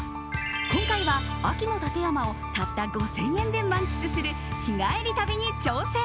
今回は秋の館山をたった５０００円で満喫する日帰り旅に挑戦。